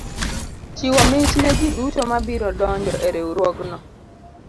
Chiwo mich ne ji duto ma biro donjo e riwruogno.